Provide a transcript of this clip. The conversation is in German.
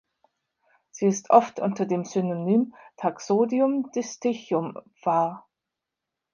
Sie ist oft unter dem Synonym "Taxodium distichum" var.